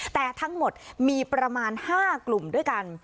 แต่ทั้งหมดมีประมาณ๕กลุ่มด้วยกัน